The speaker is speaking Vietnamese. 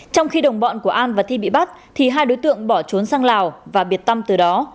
trong khi đồng bọn của an và thi bị bắt thì hai đối tượng bỏ trốn sang lào và biệt tâm từ đó